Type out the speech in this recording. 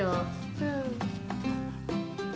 うん。